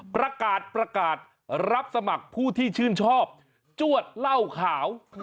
ประกาศประกาศรับสมัครผู้ที่ชื่นชอบจวดเหล้าขาว